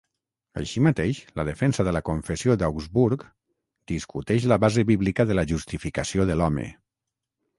Així mateix, la Defensa de la Confessió d'Augsburg discuteix la base bíblica de la Justificació de l'home.